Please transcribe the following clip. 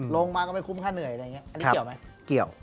ลงมาก็ไม่คุ้มค่าเหนื่อย